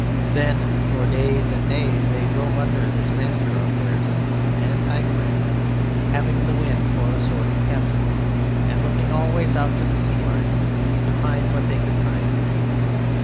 Then for days and days they drove under this master of theirs and high friend, having the wind for a sort of captain, and looking always out to the sea line to find what they could find.